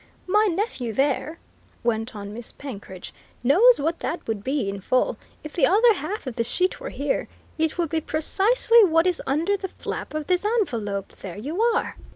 "My nephew there," went on Miss Penkridge, "knows what that would be, in full, if the other half of the sheet were here. It would be precisely what it is under the flap of this envelope there you are!